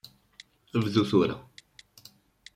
Bdu tura!